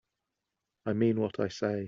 I mean what I say.